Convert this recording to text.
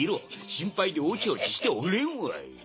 心配でオチオチしておれんわい。